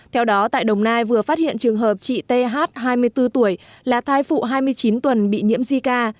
theo đó tại đồng nai vừa phát hiện trường hợp chị th hai mươi bốn tuổi là thai phụ hai mươi chín tuần bị nhiễm di ca